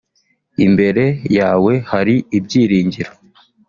imbere yawe hari ibyiringiro